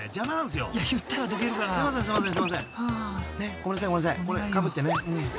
［これかぶってね］